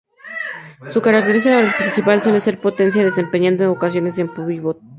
Su característica principal suele ser la potencia, desempeñando en ocasiones funciones de pívot.